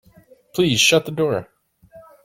Please shut the door.